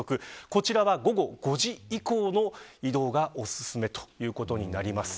こちらは、午後５時以降の移動がお勧めということになります。